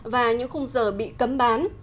và những khung giờ bị cấm bán